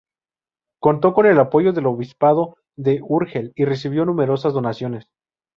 Contó con el apoyo del obispado de Urgel y recibió numerosas donaciones.